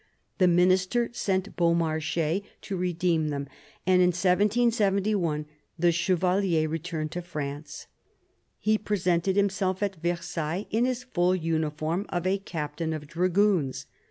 The minister sent Beaumarcheus to redeem them, and in 1771 the Chevalier returned to France. He presented himself at Versailles in his full uniform of a captain of dragoons.